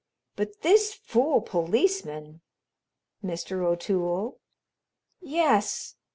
But this fool policeman " "Mr. O'Toole?" "Yes.